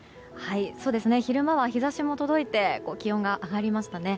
昼間は日差しも届いて気温が上がりましたね。